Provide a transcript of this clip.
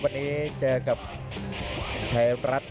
วันนี้เจอกับไทยรัฐ